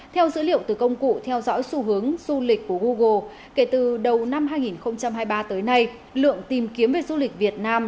theo dữ liệu từ công cụ theo dõi xu hướng du lịch của google kể từ đầu năm hai nghìn hai mươi ba tới nay lượng tìm kiếm về du lịch việt nam